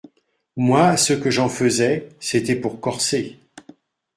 Moi, ce que j'en faisais, c'était pour corser.